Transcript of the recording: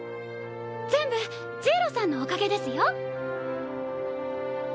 全部ジイロさんのおかげですよ。